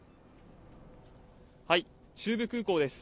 はい中部空港です